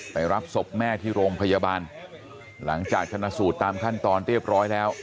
รับศพแม่ที่โรงพยาบาลหลังจากชนะสูตรตามขั้นตอนเรียบร้อยแล้ว